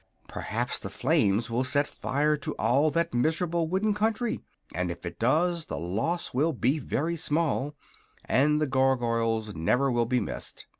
"Perhaps the flames will set fire to all that miserable wooden country, and if it does the loss will be very small and the Gargoyles never will be missed.